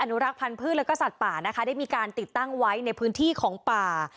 นุรักษ์พันธ์พืชแล้วก็สัตว์ป่านะคะได้มีการติดตั้งไว้ในพื้นที่ของป่า